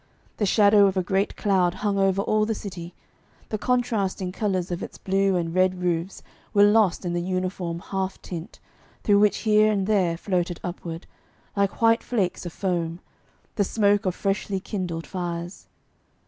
The shadow of a great cloud hung over all the city; the contrasting colours of its blue and red roofs were lost in the uniform half tint, through which here and there floated upward, like white flakes of foam, the smoke of freshly kindled fires.